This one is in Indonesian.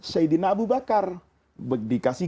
sayyidina abu bakar dikasih